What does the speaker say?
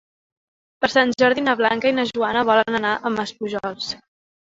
Per Sant Jordi na Blanca i na Joana volen anar a Maspujols.